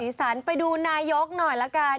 สันไปดูนายกหน่อยละกัน